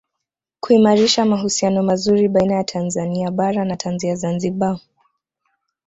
Kuimarisha mahusiano mazuri baina ya Tanzania Bara na Tanzania Zanzibar